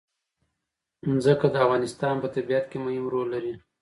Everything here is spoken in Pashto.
ځمکه د افغانستان په طبیعت کې مهم رول لري.